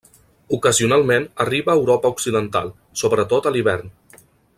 Ocasionalment arriba a Europa Occidental, sobretot a l'hivern.